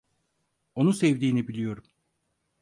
Onu sevdiğini biliyorum.